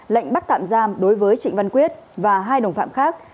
lệnh bắt tạm giam đối với trịnh văn quyết và hai đồng phạm khác